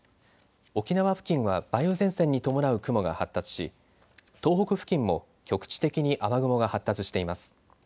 沖縄付近は梅雨前線に伴う雲が発達し東北付近も局地的に雨雲が発達しています。